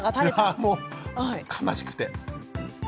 いやもう悲しくて。